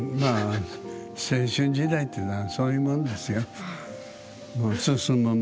青春時代っていうのはそういうものですよ。